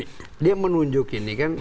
itu menunjuk ini kan